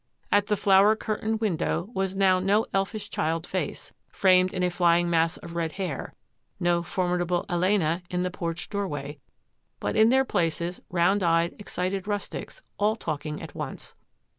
At the flower curtained window was now no elfish child face, framed in a flying mass of red hair, no for midable Elena in the porched doorway, but in their places round eyed, excited rustics, all talking at once.